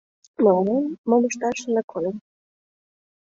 Мыланем мом ышташ ынде кодын